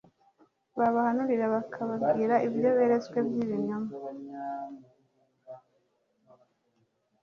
babahanurira bababwira ibyo beretswe by ibinyoma